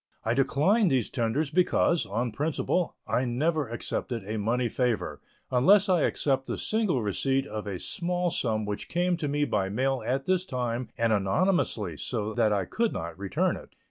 I declined these tenders because, on principle, I never accepted a money favor, unless I except the single receipt of a small sum which came to me by mail at this time and anonymously so that I could not return it.